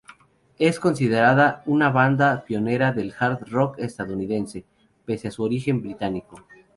Es considerada una banda pionera del hard rock estadounidense, pese a su origen británico.